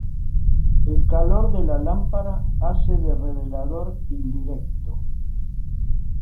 El calor de la lámpara hace de revelador indirecto.